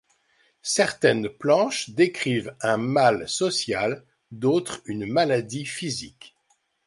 Certaines planches décrivent un mal social, d'autres une maladie physique.